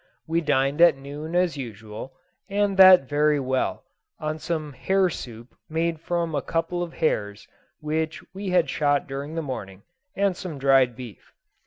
We dined at noon as usual, and that very well, on some hare soup made from a couple of hares which we had shot during the morning, and some dried beef.